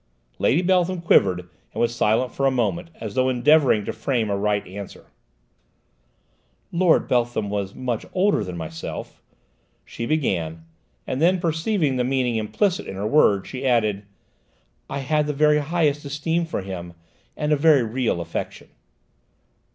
Lady Beltham quivered and was silent for a moment, as though endeavouring to frame a right answer. "Lord Beltham was much older than myself ," she began, and then, perceiving the meaning implicit in her words, she added: "I had the very highest esteem for him, and a very real affection."